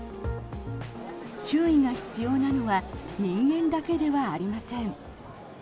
注意が必要なのは人間だけではありません。